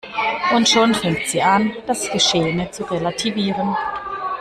Und schon fängt sie an, das Geschehene zu relativieren.